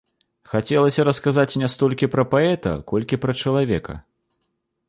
Хацелася расказаць не столькі пра паэта, колькі пра чалавека.